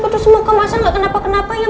kutu semoga mas al gak kenapa kenapa ya